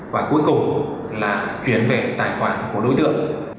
và cuối cùng là chuyển về tài khoản của đối tượng